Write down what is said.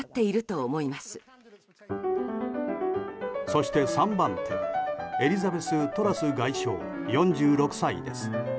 そして３番手エリザベス・トラス外相４６歳です。